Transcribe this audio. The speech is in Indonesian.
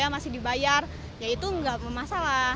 masih dibayar ya itu nggak masalah